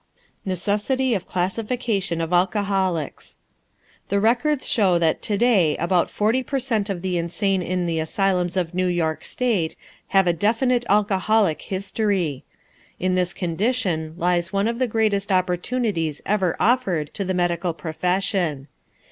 NECESSITY OF CLASSIFICATION OF ALCOHOLICS The records show that to day about forty per cent. of the insane in the asylums of New York State have a definite alcoholic history. In this condition lies one of the greatest opportunities ever offered to the medical profession.